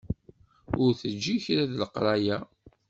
Ur teǧǧi kra deg leqraya.